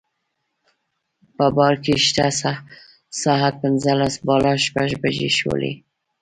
په بار کې شته ساعت پنځلس بالا شپږ بجې ښوولې.